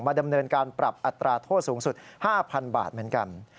ดำเนินการปรับอัตราโทษสูงสุด๕๐๐๐บาทเหมือนกัน